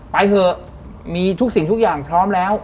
เถอะมีทุกสิ่งทุกอย่างพร้อมแล้ว